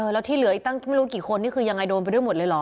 แล้วที่เหลืออีกตั้งไม่รู้กี่คนนี่คือยังไงโดนไปด้วยหมดเลยเหรอ